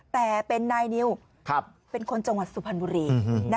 แต่เป็นนายนิวเป็นคนจังหวัดสุพรรณบุรี